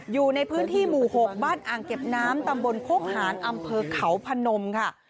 อยู่ในพื้นที่หมู่๖บ้านอ่างเก็บน้ำตำบลโคกหานอำเภอเขาพนมค่ะ